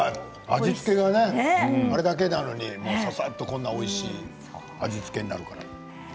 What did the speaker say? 味付けがあれだけなのにささっとこんなにおいしい味付けになるから。